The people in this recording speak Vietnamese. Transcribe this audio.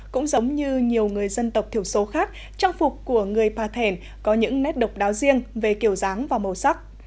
cũng giống như nhiều người dân tộc thiểu số khác trang phục của người pa thèn có những nét độc đáo riêng về kiểu dáng và màu sắc